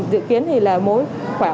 dự kiến thì là